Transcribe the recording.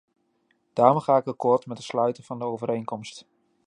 Daarom ga ik akkoord met het sluiten van de overeenkomst.